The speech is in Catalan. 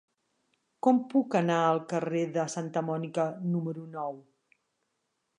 Com puc anar al carrer de Santa Mònica número nou?